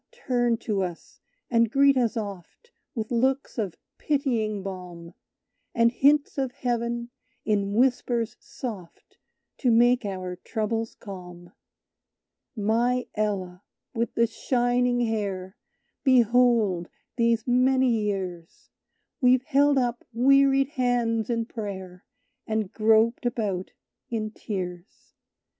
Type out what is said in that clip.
turn to us, and greet us oft With looks of pitying balm, And hints of heaven, in whispers soft, To make our troubles calm. "My Ella with the shining hair, Behold, these many years, We've held up wearied hands in prayer; And groped about in tears."